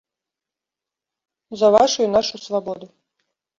За вашу і нашу свабоду!